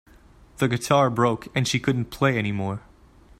The guitar broke and she couldn't play anymore.